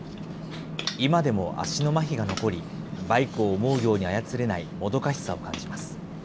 今でも足のまひが残り、バイクを思うように操れないもどかしさを感じます。